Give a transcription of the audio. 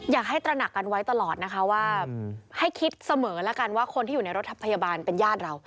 ตระหนักกันไว้ตลอดนะคะว่าให้คิดเสมอแล้วกันว่าคนที่อยู่ในรถพยาบาลเป็นญาติเรา